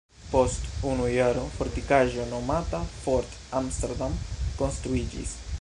Post unu jaro fortikaĵo nomata "Fort Amsterdam" konstruiĝis.